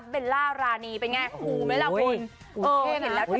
เบลล่ารานีเป็นยังไงคูมั้ยล่ะคุณ